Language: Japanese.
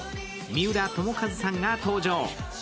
三浦友和さんが登場。